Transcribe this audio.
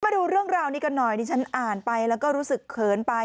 มาดูเรื่องราวนี้กันหน่อยดิฉันอ่านไปแล้วก็รู้สึกเขินไป